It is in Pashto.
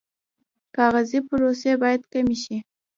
کاغذي پروسې باید کمې شي